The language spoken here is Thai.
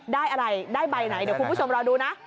ได้อะไรได้ใบไหนเดี๋ยวคุณผู้ชมรอดูนะ